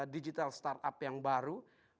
digital startup yang baru